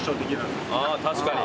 あ確かに。